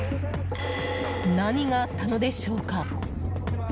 何があったのでしょうか？